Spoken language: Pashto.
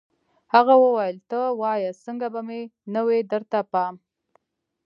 هغه ویل ته وایه څنګه به مې نه وي درته پام